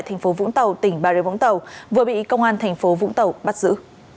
thành phố vũng tàu tỉnh bà rế vũng tàu vừa bị công an thành phố vũng tàu bắt giữ